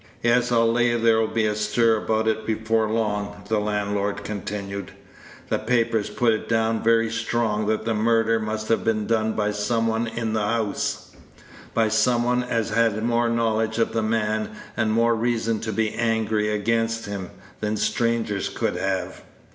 "Yes; I'll lay there'll be a stir about it before long," the landlord continued. "The papers put it down very strong that the murder must have been done by some one in the house by some one as had more knowledge of the man, and more reason to be angry against him, than strangers could have.